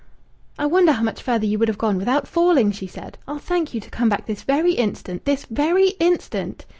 "I wonder how much farther you would have gone without falling!" she said. "I'll thank you to come back this very instant!... This very instant!"